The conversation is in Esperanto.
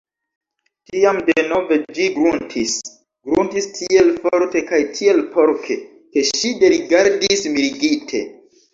Tiam denove ĝi gruntis, gruntis tiel forte kaj tiel porke, ke ŝi derigardis, mirigite.